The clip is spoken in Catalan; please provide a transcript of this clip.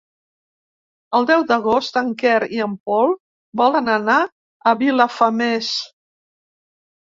El deu d'agost en Quer i en Pol volen anar a Vilafamés.